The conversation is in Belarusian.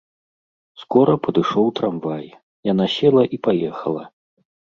Скора падышоў трамвай, яна села і паехала.